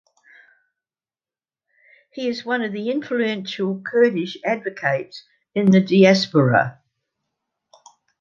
He is one of the influential Kurdish advocates in the Diaspora.